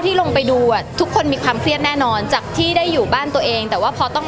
ต้องไปดูทุกคนมีความเครียดแน่นอนจากที่ได้อยู่บ้านตัวเอง